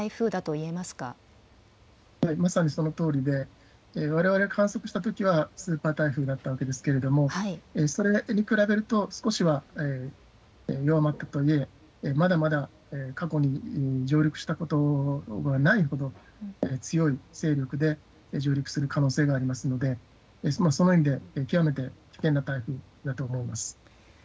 はい、まさにそのとおりで、われわれ観測したときは、スーパー台風だったわけですけども、それに比べると、少しは弱まったとはいえ、まだまだ過去に上陸したことがないほど、強い勢力で上陸する可能性がありますので、その意味で、極めて危険な台風だと思います。